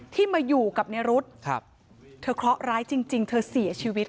ที่มาอยู่กับในรุธเธอเคราะห์ร้ายจริงเธอเสียชีวิต